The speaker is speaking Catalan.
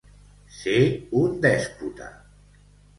Ser un dèspota.